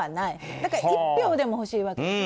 だから１票でも欲しいわけです。